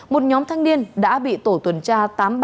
một nhóm thăng niên đã bị tổ tuần tra tám nghìn ba trăm chín mươi bốn